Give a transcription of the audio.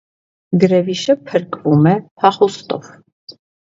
Գրեվիշը փրկվում է փախուստով։